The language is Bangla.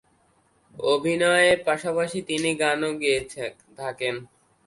অভিনয়ের পাশাপাশি তিনি গানও গেয়ে থাকেন।